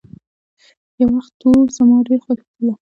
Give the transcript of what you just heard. يو وخت وو، زما ډېر خوښيدلو.